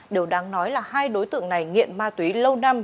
điều đáng nói là hai đối tượng này nghiện ma túy lâu năm